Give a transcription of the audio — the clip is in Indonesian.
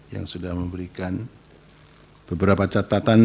yang sudah memberikan beberapa catatan